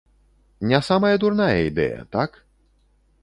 Не самая дурная ідэя, так?